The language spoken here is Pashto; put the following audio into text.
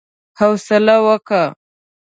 حوصله وکه!